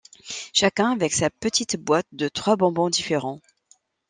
Chacun avec sa petite boite de trois bonbons différents.